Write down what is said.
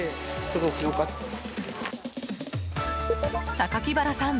榊原さん